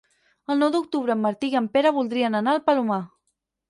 El nou d'octubre en Martí i en Pere voldrien anar al Palomar.